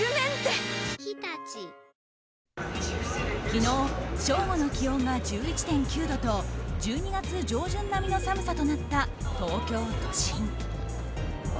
昨日正午の気温が１１．９度と１２月上旬並みの寒さとなった東京都心。